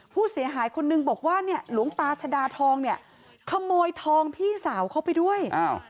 ผู้เสียหายคนหนึ่งบอกว่าหลวงปลาชดาทองเนี่ย